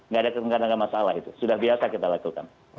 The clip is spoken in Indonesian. gak ada masalah sudah biasa kita lakukan